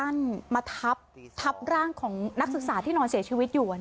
มาทับทับร่างของนักศึกษาที่นอนเสียชีวิตอยู่